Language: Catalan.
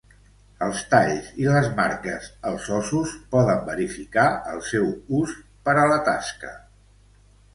Els talls i les marques als ossos poden verificar el seu ús per a la tasca.